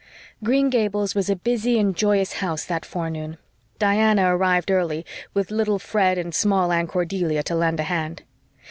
Green Gables was a busy and joyous house that forenoon. Diana arrived early, with little Fred and Small Anne Cordelia, to lend a hand.